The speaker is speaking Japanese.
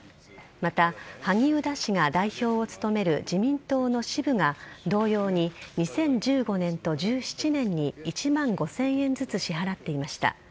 また、萩生田氏が代表を務める自民党の支部が同様に２０１５年と２０１７年に１万５０００円ずつ支払っていました。